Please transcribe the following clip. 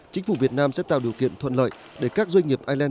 chính phủ việt nam sẽ tạo điều kiện thuận lợi để các doanh nghiệp irelan